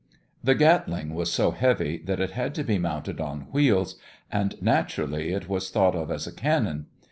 The Gatling was so heavy that it had to be mounted on wheels, and naturally it was thought of as a cannon.